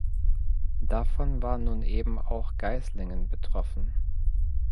Davon war nun eben auch Geislingen betroffen.